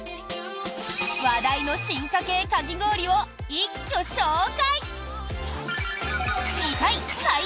話題の進化系かき氷を一挙紹介。